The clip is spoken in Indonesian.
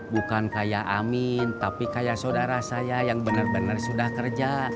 bukan kayak amin tapi kayak saudara saya yang benar benar sudah kerja